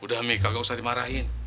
udah mika gak usah dimarahin